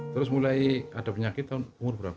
terus mulai ada penyakit umur berapa